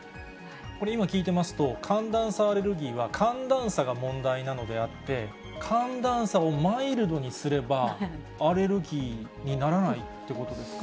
これ、今、聞いていますと、寒暖差アレルギーは、寒暖差が問題なのであって、寒暖差をマイルドにすれば、アレルギーにならないってことですか？